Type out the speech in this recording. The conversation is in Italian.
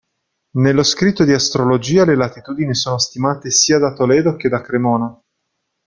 Nello scritto di astrologia le latitudini sono stimate sia da Toledo che da Cremona.